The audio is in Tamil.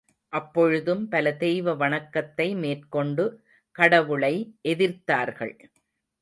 அப்பொழுதும் பல தெய்வ வணக்கத்தை மேற்கொண்டு கடவுளை எதிர்த்தார்கள்.